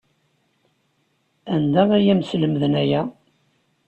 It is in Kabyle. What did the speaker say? Anda ay am-slemden aya?